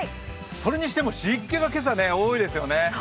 それにしても湿気が今朝、多いですよね。